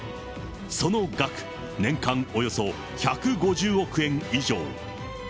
その額、年間およそ１５０億円以上。